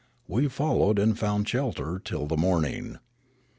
We followed and found shelter till the morning.